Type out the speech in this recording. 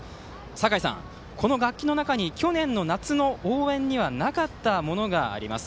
酒井さん、この楽器の中に去年の夏の応援にはなかったものがあります。